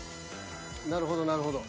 なるほどなるほど。